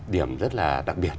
điểm rất là đặc biệt